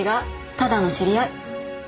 ただの知り合い。